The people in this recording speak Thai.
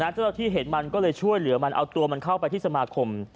เจ้าหน้าที่เห็นมันก็เลยช่วยเหลือมันเอาตัวมันเข้าไปที่สมาคม